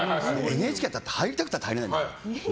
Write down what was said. ＮＨＫなんて入りたくて入れないんだから。